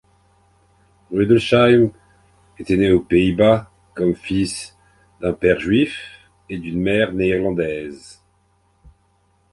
Rudelsheim était né aux Pays-Bas comme fils d'un père juif et d’une mère néerlandaise.